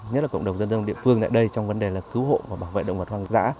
nhất là cộng đồng dân dân địa phương tại đây trong vấn đề là cứu hộ và bảo vệ động vật hoang dã